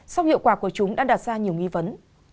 song hiệu quả của chúng đã đạt ra nhiều nghi vấn